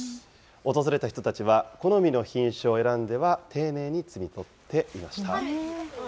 訪れた人たちは、好みの品種を選んでは丁寧に摘み取っていました。